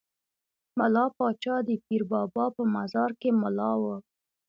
ملا پاچا د پیر بابا په مزار کې ملا وو.